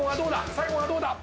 最後がどうだ？